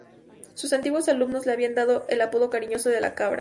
Sus antiguos alumnos le había dado el apodo cariñoso de "la cabra".